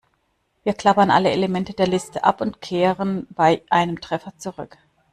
Wir klappern alle Elemente der Liste ab und kehren bei einem Treffer zurück.